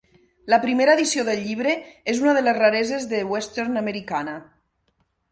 La primera edició del llibre és una de les rareses de Western Americana.